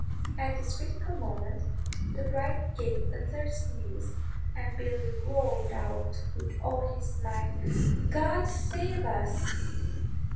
At this critical moment the bride gave a third sneeze, and Billy roared out with all his might, "God save us!"